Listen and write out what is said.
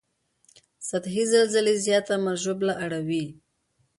سطحي زلزلې زیاته مرګ ژوبله اړوي